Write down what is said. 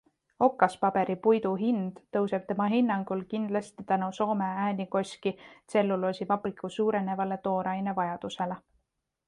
Okaspaberipuidu hind tõuseb tema hinnangul kindlasti tänu Soome Äänikoski tselluloosivabriku suurenevale toorainevajadusele.